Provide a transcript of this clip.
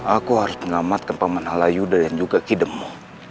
aku akan menyelamatkan paman halayuda dan juga kidemmu